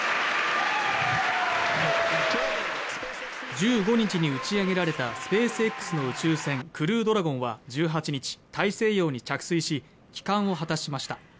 １５日に打ち上げられたスペースＸの宇宙船「クルードラゴン」は１８日、大西洋に着水し、帰還を果たしました。